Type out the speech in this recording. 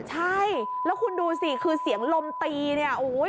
ใช่แล้วคุณดูสิคือเสียงลมตีเนี่ยโอ้โห